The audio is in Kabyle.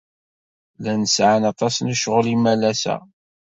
Llan sɛan aṭas n ccɣel imalas-a.